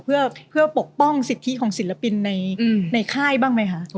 เพื่อปกป้องสิทธิของศิลปินในค่ายบ้างไหมคะ